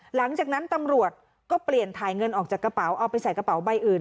หลังจากนั้นตำรวจก็เปลี่ยนถ่ายเงินออกจากกระเป๋าเอาไปใส่กระเป๋าใบอื่น